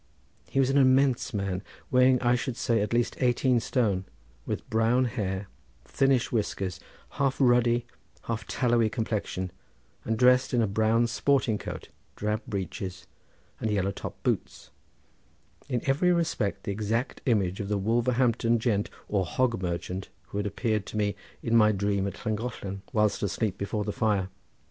He was an immense man, weighing I should say at least eighteen stone, with brown hair, thinnish whiskers, half ruddy, half tallowy complexion, and dressed in a brown sporting coat, drab breeches and yellow topped boots—in every respect the exact image of the Wolverhampton gent or hog merchant who had appeared to me in my dream at Llangollen, whilst asleep before the fire.